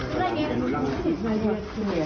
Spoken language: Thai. ๓๘นิดหนึ่งหรือ๓๘นิดหนึ่ง